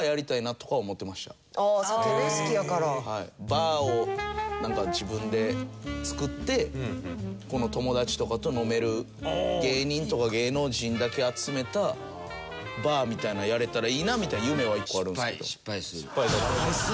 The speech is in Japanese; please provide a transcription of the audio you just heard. バーをなんか自分で作って友達とかと飲める芸人とか芸能人だけ集めたバーみたいなのやれたらいいなみたいな夢は１個あるんですけど。